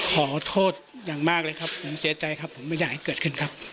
ขอโทษอย่างมากเลยครับผมเสียใจครับผมไม่อยากให้เกิดขึ้นครับ